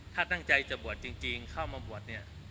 ถ้าตั้งใจจะบวชจริงเข้ามาบวชเนี่ย